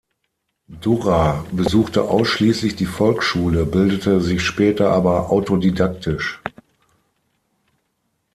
Durrer besuchte ausschliesslich die Volksschule, bildete sich später aber autodidaktisch.